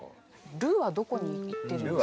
「る」はどこにいってるんですか？